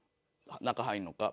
中入るのか？」